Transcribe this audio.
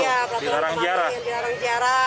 iya peraturan peraturan yang dilarang ziarah